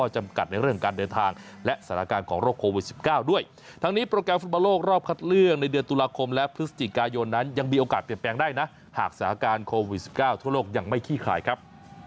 หากสถานการณ์โควิด๑๙ทั่วโลกยังไม่ขี้ขายครับ